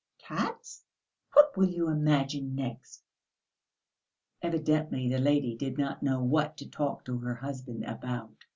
"Cats! What will you imagine next?" Evidently the lady did not know what to talk to her husband about.